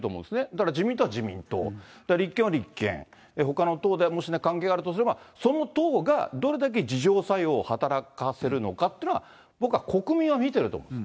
だから自民党は自民党、立憲は立憲、ほかの党でもし関係があるとすれば、その党がどれだけ自浄作用を働かせるのかっていうのは、僕は国民は見てると思う。